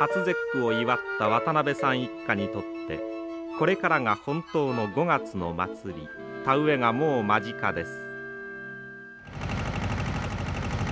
初節句を祝った渡部さん一家にとってこれからが本当の５月の祭り田植えがもう間近です。